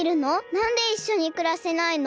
なんでいっしょにくらせないの？